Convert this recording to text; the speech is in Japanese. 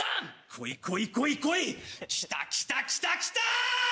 来い来い来い来い！来た来た来た来た！